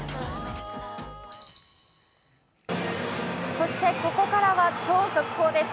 そしてここからは超速報です。